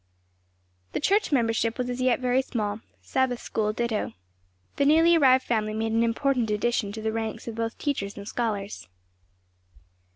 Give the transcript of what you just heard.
The church membership was as yet very small; Sabbath school ditto. The newly arrived family made an important addition to the ranks of both teachers and scholars.